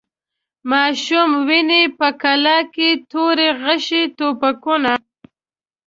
ماشوم ویني په قلا کي توري، غشي، توپکونه